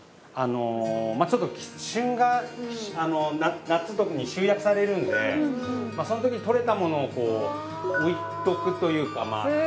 あのまあちょっと旬が夏特に集約されるんでその時にとれたものを置いとくというかまあ